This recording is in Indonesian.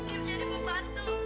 masih jadi pembantu